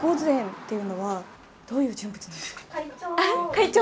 会長。